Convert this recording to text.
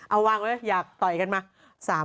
เอาวางไว้อยากต่อยกันมา